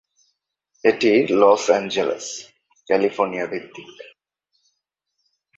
এটি Los Angeles, California ভিত্তিক।